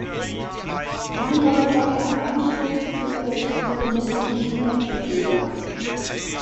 Lange Jahre war er einsturzgefährdet und deshalb nicht mehr begehbar.